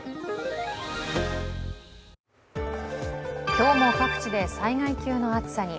今日も各地で災害級の暑さに。